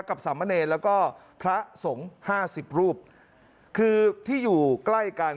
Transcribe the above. สามเณรแล้วก็พระสงฆ์ห้าสิบรูปคือที่อยู่ใกล้กัน